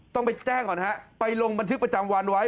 ต้องไปแจ้งก่อนฮะไปลงบันทึกประจำวันไว้